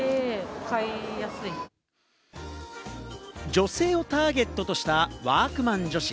女性をターゲットとした「＃ワークマン女子」。